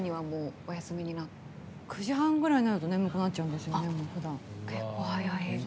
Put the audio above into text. ９時半ぐらいになると眠くなっちゃうんですよね。